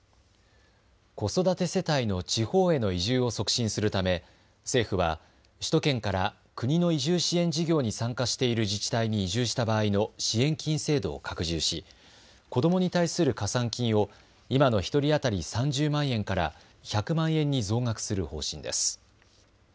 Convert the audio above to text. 子育て世帯の地方への移住を促進するため政府は首都圏から国の移住支援事業に参加している自治体に移住した場合の支援金制度を拡充し子どもに対する加算金を今の１人当たり３０万円から１００万円に増額する方針です。